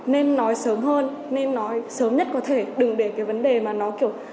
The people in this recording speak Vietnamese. nên nói sớm hơn nên nói sớm nhất có thể đừng để cái vấn đề mà nó kiểu